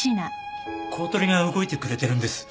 公取が動いてくれてるんです。